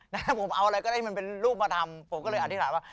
นะผมเอาอะไรก็ได้มันเป็นรูปมาทำผมก็เลยอธิษฐานว่า